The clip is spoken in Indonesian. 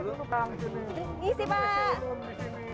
ini nih jangan sempit